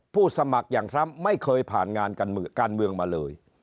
สมัครอย่างทรัมป์ไม่เคยผ่านงานการเมืองมาเลย